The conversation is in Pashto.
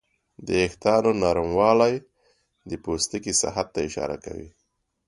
د وېښتیانو نرموالی د پوستکي صحت ته اشاره کوي.